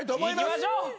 いきましょう。